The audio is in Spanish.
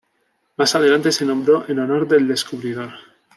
Más adelante, se nombró en honor del descubridor.